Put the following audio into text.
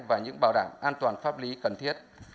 và những bảo đảm an toàn pháp lý cần thiết